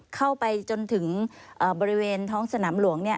เข้าไปจนถึงบริเวณท้องสนามหลวง